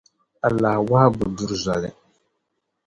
Alaha wɔhu bi duri zoli.